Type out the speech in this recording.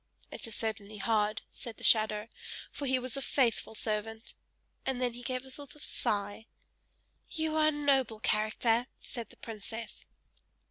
"It is certainly hard," said the shadow, "for he was a faithful servant!" and then he gave a sort of sigh. "You are a noble character!" said the princess.